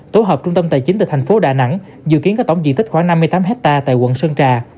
tổ hợp trung tâm tài chính từ thành phố đà nẵng dự kiến có tổng diện tích khoảng năm mươi tám hectare tại quận sơn trà